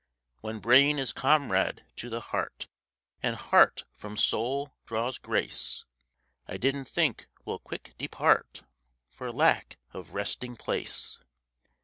When brain is comrade to the heart, And heart from soul draws grace, 'I didn't think will quick depart For lack of resting place.